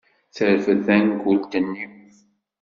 Terfed tankult-nni.